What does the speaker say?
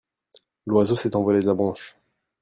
l'oiseau s'est envolé de la branche.